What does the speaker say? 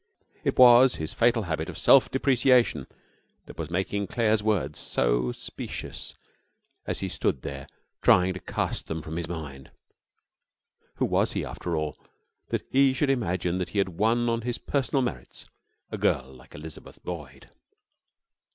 It was his fatal habit of self depreciation that was making Claire's words so specious as he stood there trying to cast them from his mind. Who was he, after all, that he should imagine that he had won on his personal merits a girl like Elizabeth Boyd?